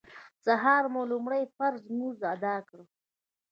سهار مو لومړی فرض لمونځ اداء کړ.